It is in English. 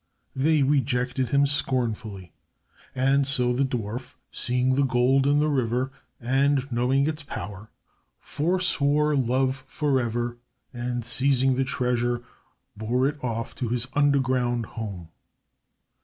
They rejected him scornfully, and so the dwarf, seeing the gold in the river and knowing its power, forswore love forever, and seizing the treasure, bore it off to his underground home.